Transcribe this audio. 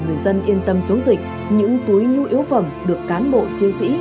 người dân yên tâm chống dịch những túi nhu yếu phẩm được cán bộ chiến sĩ